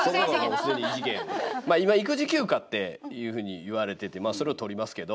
今、育児休暇っていうふうにいわれてて、それを取りますけど。